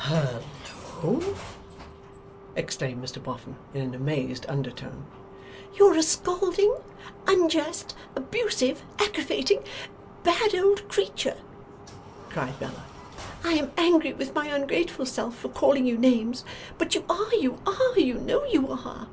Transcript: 'HUL LO!' exclaimed Mr Boffin in an amazed under tone. 'You're a scolding, unjust, abusive, aggravating, bad old creature!' cried Bella. 'I am angry with my ungrateful self for calling you names; but you are, you are; you know you are!